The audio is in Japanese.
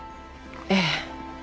ええ。